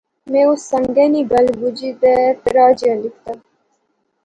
میں اس سنگے نی گل بجی تہ تراہ جیا لکھتا